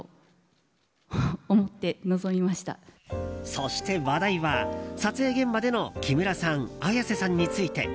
そして、話題は撮影現場での木村さん、綾瀬さんについて。